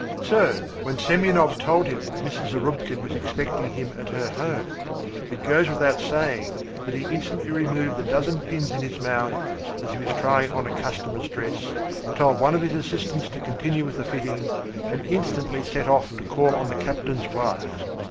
So, when Semyonov told him that Mrs. Zarubkin was expecting him at her home, it goes without saying that he instantly removed the dozen pins in his mouth, as he was trying on a customer's dress, told one of his assistants to continue with the fitting, and instantly set off to call on the captain's wife.